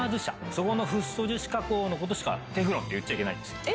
そこのフッ素樹脂加工の事しか「テフロン」って言っちゃいけないんです。